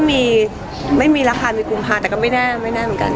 ไม่มีไม่มีราคามีกุมภาแต่ก็ไม่แน่ไม่แน่เหมือนกัน